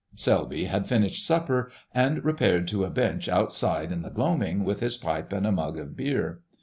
Selby had finished supper and repaired to a bench outside in the gloaming with his pipe and a mug of beer.